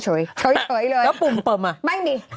เฉยเลยไม่มีแล้วปุ่มเปิ่มอ่ะ